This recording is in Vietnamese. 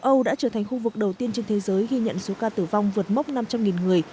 châu âu đã trở thành khu vực đầu tiên trên thế giới ghi nhận số ca tử vong vượt mốc năm trăm linh người